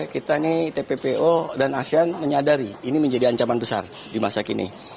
kita ini tppo dan asean menyadari ini menjadi ancaman besar di masa kini